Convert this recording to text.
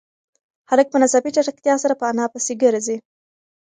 هلک په ناڅاپي چټکتیا سره په انا پسې گرځي.